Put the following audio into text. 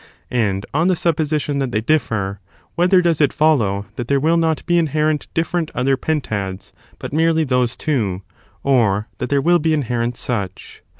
And, on the supposition that they differ, whether does it follow that there will not be inherent different other pentads, but merely those two, or that there will be inherent such?